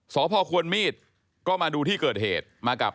สภควนมีดก็มาดูที่เกิดเหตุ